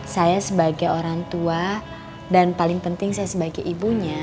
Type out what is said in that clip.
saya sebagai orang tua dan paling penting saya sebagai ibunya